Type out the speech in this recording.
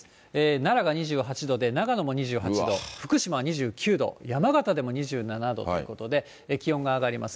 奈良が２８度で、長野も２８度、福島２９度、山形でも２７度ということで、気温が上がります。